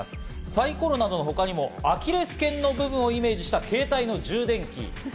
サイコロなどのほかにもアキレス腱の部分をイメージした携帯の充電器。